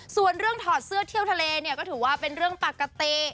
ส่วนเรื่องถอดเสื้อเที่ยวทะเลเนี่ยก็ถือว่าเป็นเรื่องปกติ